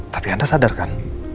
tapi anda sadarkan